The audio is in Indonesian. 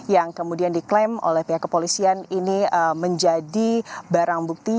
yang kemudian diklaim oleh pihak kepolisian ini menjadi barang bukti